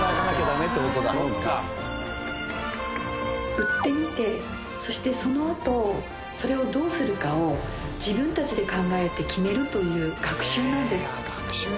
売ってみてそしてそのあとそれをどうするかを自分たちで考えて決めるという学習なんです。